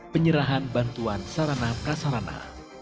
penyerahan bantuan sarana prasarana